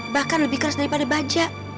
bahkan lebih keras daripada baja